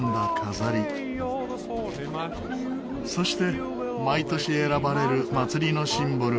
そして毎年選ばれる祭りのシンボル